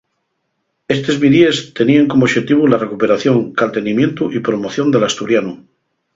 Estes midíes teníen como oxetivu la recuperación, caltenimientu y promoción del asturianu.